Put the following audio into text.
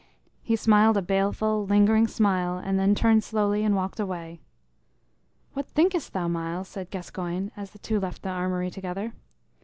He smiled a baleful, lingering smile, and then turned slowly and walked away. "What thinkest thou, Myles?" said Gascoyne, as the two left the armory together.